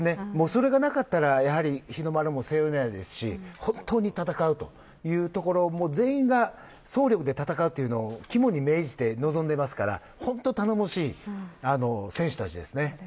それがなかったら日の丸も背負えませんし本当に戦うというところも全員が総力で戦うということ肝に銘じて臨んでいますから本当に頼もしい選手たちです。